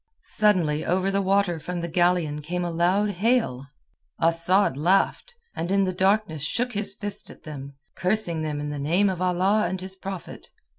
Suddenly over the water from the galleon came a loud hail. Asad laughed, and in the darkness shook his fist at them, cursing them in the name of Allah and his Prophet.